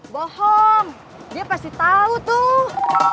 bohong dia pasti tahu tuh